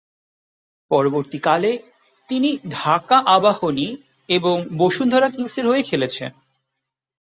পরবর্তীকালে, তিনি ঢাকা আবাহনী এবং বসুন্ধরা কিংসের হয়ে খেলেছেন।